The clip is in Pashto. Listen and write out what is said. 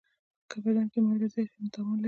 که بدن کې مالګه زیاته شي، نو تاوان لري.